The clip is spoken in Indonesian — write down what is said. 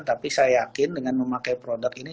tapi saya yakin dengan memakai produk ini